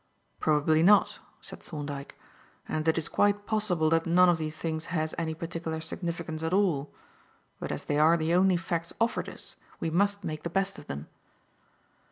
"Probably not," said Thorndyke, "and it is quite possible that none of these things has any particular significance at all. But as they are the only facts offered us, we must make the best of them.